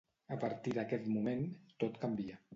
A partir d’aquest moment, tot canvia.